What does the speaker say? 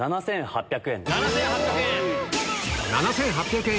７８００円。